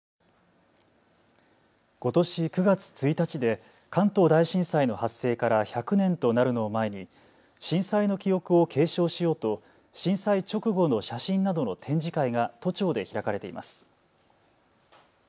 ことし９月１日で関東大震災の発生から１００年となるのを前に震災の記憶を継承しようと震災直後の写真などの展示会が都庁で開かれています。